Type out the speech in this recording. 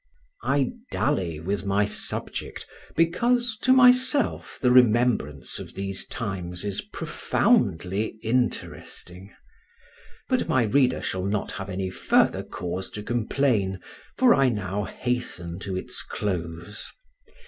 I dally with my subject because, to myself, the remembrance of these times is profoundly interesting. But my reader shall not have any further cause to complain, for I now hasten to its close.